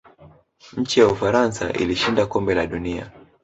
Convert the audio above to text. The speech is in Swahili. nchi ya ufaransa ilishinda kombe la dunia